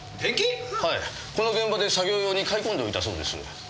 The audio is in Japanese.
はいこの現場で作業用に買い込んでおいたそうです。